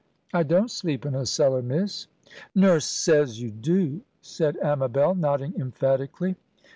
"I don't sleep in a cellar, Miss." "Nurse says you do," said Amabel, nodding emphatically.